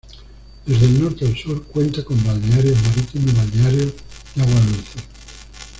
Desde el norte al sur cuenta con balnearios marítimos y balnearios de agua dulce.